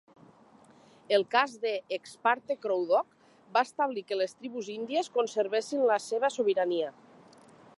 El cas de "Ex parte Crow Dog" va establir que les tribus índies conservessin la seva sobirania.